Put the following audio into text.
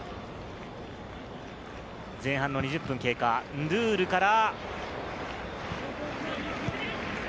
前半の２０分経過、ンドゥールから。